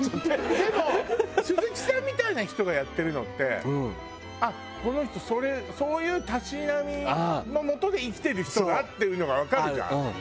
でも鈴木さんみたいな人がやってるのってあっこの人そういうたしなみの下で生きてる人だっていうのがわかるじゃん。